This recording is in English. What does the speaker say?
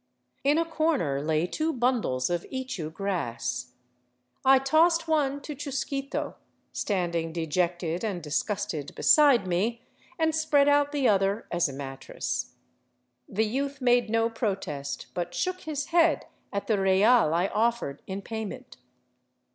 In a corner lay two bundles of ichu grass. I tossed one to Chusquito, standing dejected and disgusted beside me, and spread out the other as a mattress. The youth made no protest, but shook his head at the real I offered in payment.